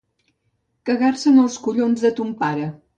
Cagar-se en els collons de ton pare.